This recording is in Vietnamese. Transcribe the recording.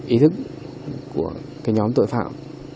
ý thức của nhóm tội phạm